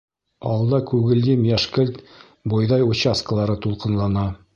Алда күгелйем-йәшкелт бойҙай участкалары тулҡынлана.